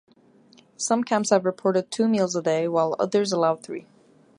Some camps have reported two meals a day, while others allow three.